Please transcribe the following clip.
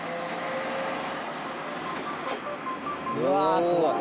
「うわあすごい！」